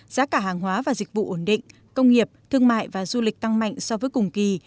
giá cả hàng hóa và dịch vụ ổn định công nghiệp thương mại và du lịch tăng mạnh so với cùng kỳ